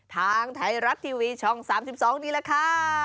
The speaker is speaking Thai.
ทางไทยรัฐทีวีช่อง๓๒นี่แหละค่ะ